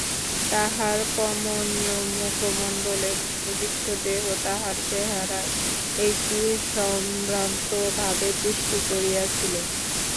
তাঁহার কমনীয় মুখমণ্ডল এবং বলিষ্ঠ দেহ তাঁহার চেহারায় একটি সম্ভ্রান্ত ভাবের সৃষ্টি করিয়াছিল।